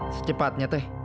jadi kapan mau berdua menikah